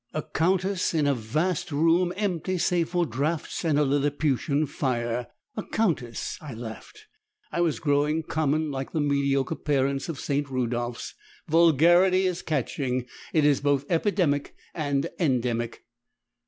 A countess in a vast room empty save for draughts and a Liliputian fire! A countess! I laughed! I was growing common like the mediocre parents of St. Rudolphs. Vulgarity is catching! It is both epidemic and endemic.